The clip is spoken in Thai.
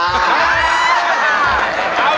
หนูนี่แหละค่ะ